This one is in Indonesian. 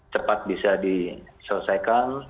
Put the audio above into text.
cepat bisa diselesaikan